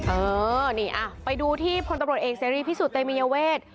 เออนี่ไปดูที่พลตำรวจเอกเสรีพิสุทธิเตมียเวท